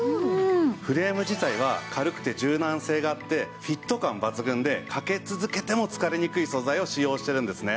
フレーム自体は軽くて柔軟性があってフィット感抜群でかけ続けても疲れにくい素材を使用しているんですね。